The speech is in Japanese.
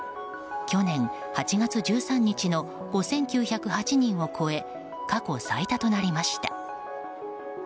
去年８月１３日の５９０８人を超え過去最多となりました。